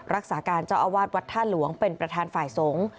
รักษาการเจ้าอาวาสวัดท่าหลวงเป็นประธานฝ่ายสงฆ์